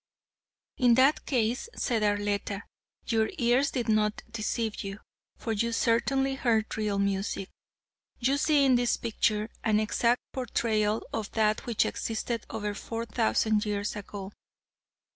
"In that case," said Arletta, "your ears did not deceive you, for you certainly heard real music. You see in this picture, an exact portrayal of that which existed over four thousand years ago.